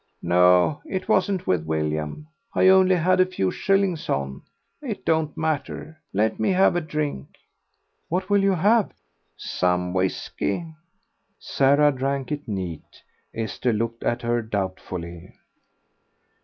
"No, it wasn't with William. I only had a few shillings on. It don't matter. Let me have a drink." "What will you have?" "Some whisky." Sarah drank it neat. Esther looked at her doubtfully.